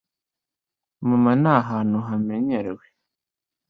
mama ni ahantu hamenyerewe